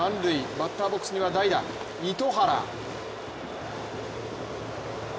バッターボックスには代打・糸原。